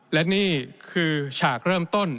และนี่คือฉากเริ่มต้น